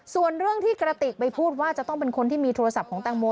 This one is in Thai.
ส่วนเรื่องที่กระติกไปพูดว่าจะต้องเป็นคนที่มีโทรศัพท์ของแตงโม